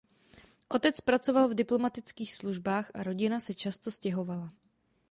Otec pracoval v diplomatických službách a rodina se často stěhovala.